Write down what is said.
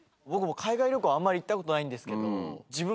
海外旅行あんまり行ったことないんですけど。